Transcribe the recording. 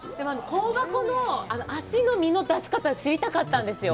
香箱の脚の身の出し方、知りたかったんですよ。